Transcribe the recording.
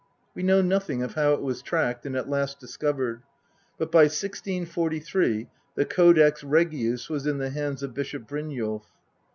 We know nothing of how it was tracked and at last discovered, but by 1643 the Codex Regius was in the hands of Bishop Brynjolf.